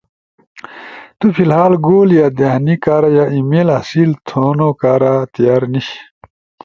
تو فی الحال گول یاد دہانی کارا ای میل حاصل تھونو کارا تیار نیِش،